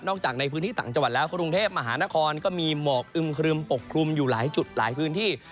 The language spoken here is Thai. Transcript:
จากในพื้นที่ต่างจังหวัดแล้วกรุงเทพมหานครก็มีหมอกอึมครึมปกคลุมอยู่หลายจุดหลายพื้นที่